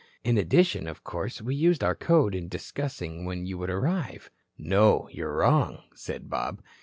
In addition, of course, we used our code in discussing when you would arrive." "No, you're wrong," said Bob.